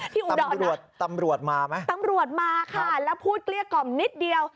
อุดรตำรวจตำรวจมาไหมตำรวจมาค่ะแล้วพูดเกลี้ยกล่อมนิดเดียว